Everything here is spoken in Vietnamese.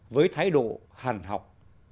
với thái độ hẳn học